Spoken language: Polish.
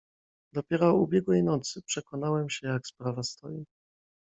"Dopiero ubiegłej nocy przekonałem się jak sprawa stoi."